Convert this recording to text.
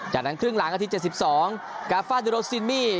จากนั้นครึ่งหลังอาทิตย๗๒กาฟาดิโรซินมี่